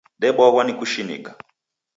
Debwaghwa ni kushinika!